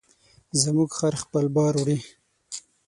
زموږ خر خپل بار وړي.